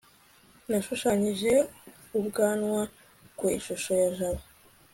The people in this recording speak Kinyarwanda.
nashushanyije ubwanwa ku ishusho ya jabo